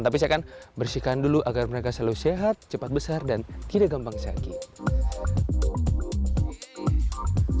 tapi saya akan bersihkan dulu agar mereka selalu sehat cepat besar dan tidak gampang sakit